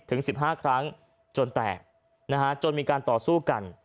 ถึง๑๕ครั้งจนแตกนะฮะจนมีการต่อสู้กัน